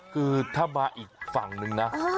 คือถ้ามาอีกฝั่งนึงนะ